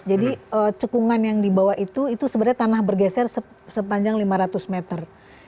cekungan yang dibawa itu itu sebenarnya tanah bergeser sepanjang lima ratus meter